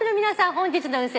本日の運勢